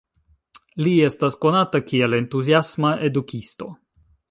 Li estas konata kiel entuziasma edukisto.